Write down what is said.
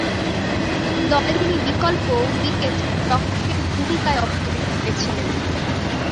দলে তিনি বিকল্প উইকেট-রক্ষকের ভূমিকায় অবতীর্ণ হয়েছিলেন।